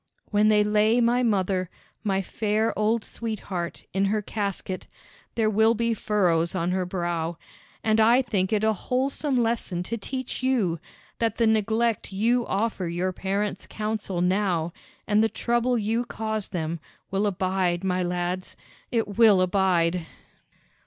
"When they lay my mother, my fair old sweetheart, in her casket, there will be furrows on her brow; and I think it a wholesome lesson to teach you, that the neglect you offer your parents' counsel now, and the trouble you cause them, will abide, my lads, it will abide!"